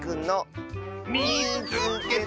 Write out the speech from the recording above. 「みいつけた！」。